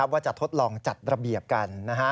ว่าจะทดลองจัดระเบียบกัน